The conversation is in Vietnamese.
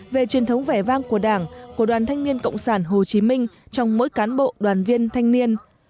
về truyền thống vẻ vang của đảng của đoàn thanh niên cộng sản hồ chí minh trong mỗi cán bộ đoàn viên thanh niên